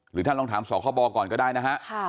ท่านลองถามสคบก่อนก็ได้นะฮะ